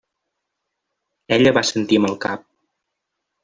Ella va assentir amb el cap.